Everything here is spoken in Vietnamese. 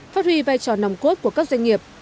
phát huy vai trò nòng cốt của các doanh nghiệp